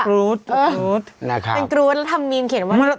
เป็นตรูดแล้วทำมีนเขียนว่า